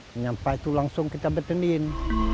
sampai itu langsung kita bertanding